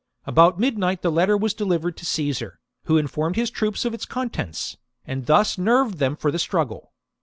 About midnight the letter was delivered to Caesar, who informed his troops of its contents, and thus nerved them for the struggle.